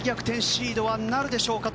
シードはなるでしょうか